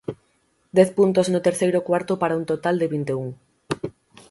Dez puntos no terceiro cuarto para un total de vinte e un.